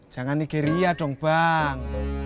jangan nigeria dong bang